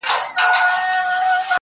o تا بدرنگۍ ته سرټيټی په لېونتوب وکړ.